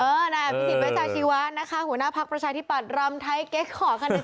พี่ศิษย์ไว้จ่ายชีวะนะคะหัวหน้าพักประชาที่ปรัดรำไทเก๊กขอกัน